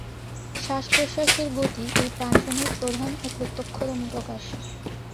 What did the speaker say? শ্বাসপ্রশ্বাসের গতি এই প্রাণসমূহের প্রধান ও প্রত্যক্ষতম প্রকাশ।